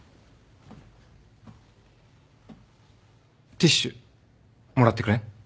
ティッシュもらってくれん？